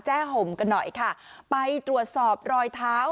ห่มกันหน่อยค่ะไปตรวจสอบรอยเท้า